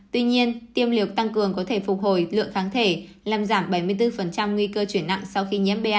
tuy nhiên tiêm liệu tăng cường có thể phục hồi lượng kháng thể làm giảm bảy mươi bốn nguy cơ chuyển nặng sau khi nhiễm ba hai